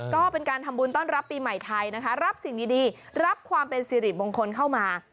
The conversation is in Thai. ก็เป็นการทำบุญต้อนรับปีใหม่ไทยนะคะรับสิ่งดีรับความเป็นสิริมงคลเข้ามา